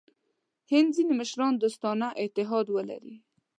هند ځیني مشران دوستانه اتحاد ولري.